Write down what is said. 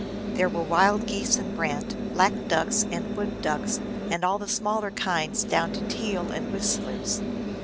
There were wild geese and brant, black ducks and wood ducks, and all the smaller kinds down to teal and whistlers.